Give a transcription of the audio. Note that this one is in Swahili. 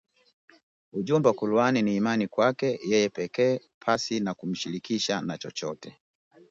ujumbe wa Qur’an ni imani kwake Yeye pekee pasi na kumshirikisha na chochote